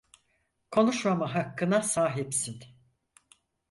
Konuşmama hakkına sahipsin.